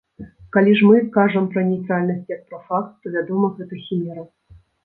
Калі ж мы кажам пра нейтральнасць як пра факт, то, вядома, гэта хімера.